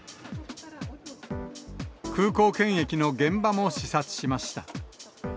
空港検疫の現場も視察しました。